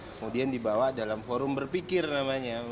kemudian dibawa dalam forum berpikir namanya